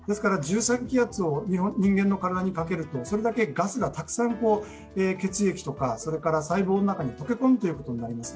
１３気圧を人間の体にかけるとそれだけガスがたくさん、血液とか細胞の中に溶け込むことになります。